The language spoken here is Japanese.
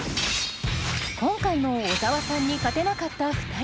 今回も小沢さんに勝てなかった２人。